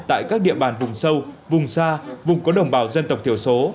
tại các địa bàn vùng sâu vùng xa vùng có đồng bào dân tộc thiểu số